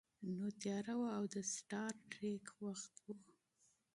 نو تیاره وه او د سټار ټریک وخت و